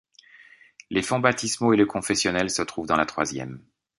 Les fonts baptismaux et le confessionnal se trouvent dans la troisième.